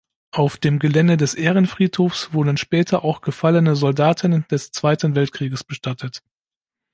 Auf dem Gelände des Ehrenfriedhofs wurden später auch gefallene Soldaten des Zweiten Weltkrieges bestattet.